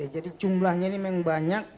jadi jumlahnya ini memang banyak